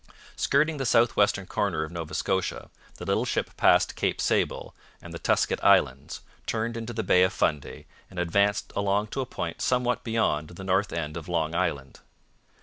Skirting the south western corner of Nova Scotia, the little ship passed Cape Sable and the Tusquet Islands, turned into the Bay of Fundy, and advanced to a point somewhat beyond the north end of Long Island.